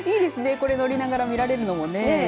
これ、乗りながら見られるのもね。